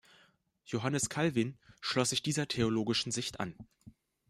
Johannes Calvin schloss sich dieser theologischen Sicht an.